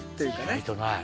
意外とない。